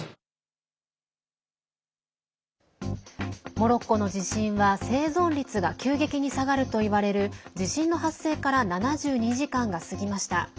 モロッコの地震は生存率が急激に下がるといわれる地震の発生から７２時間が過ぎました。